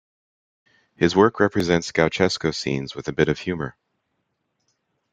His work represents gauchesco scenes with a bit of humor.